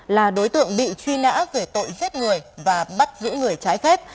là đối tượng bị truy nã về tội giết người và bắt giữ người trái phép